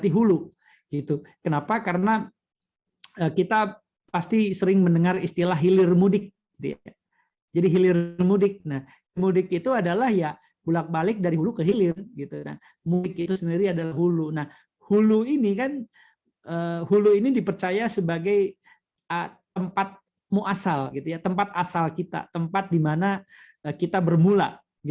hulu ini dipercaya sebagai tempat muasal tempat asal kita tempat di mana kita bermula